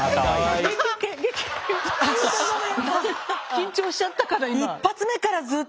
緊張しちゃったから今。